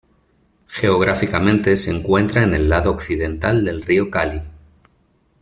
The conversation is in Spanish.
Geográficamente se encuentra en el lado occidental del Río Cali.